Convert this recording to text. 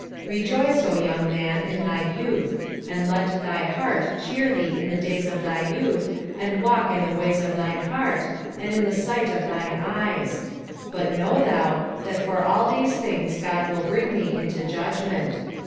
21:011:009 Rejoice, O young man, in thy youth; and let thy heart cheer thee in the days of thy youth, and walk in the ways of thine heart, and in the sight of thine eyes: but know thou, that for all these things God will bring thee into judgment.